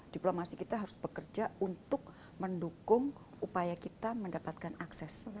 diplomasi kita harus bekerja untuk mendukung upaya kita mendapatkan akses